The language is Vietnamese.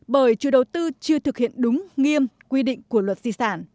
bởi chủ đầu tư chưa thực hiện đúng nghiêm quy định của luật di sản